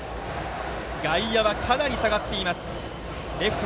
外野はかなり下がっています。